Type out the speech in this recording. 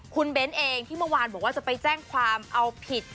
คุณเบ้นเองที่เมื่อวานบอกว่าจะไปแจ้งความเอาผิด